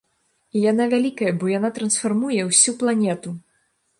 І яна вялікая, бо яна трансфармуе ўсю планету.